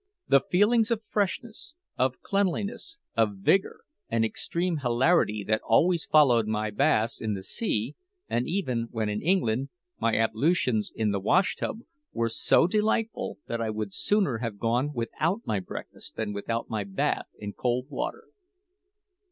The feelings of freshness, of cleanliness, of vigour, and extreme hilarity that always followed my bathes in the sea and even, when in England, my ablutions in the wash tub were so delightful that I would sooner have gone without my breakfast than without my bathe in cold water.